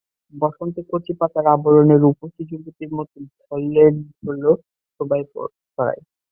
বসন্তে কচি পাতার আবরণে রূপসী যুবতীর মতো ঢলো ঢলো শোভা ছড়ায়।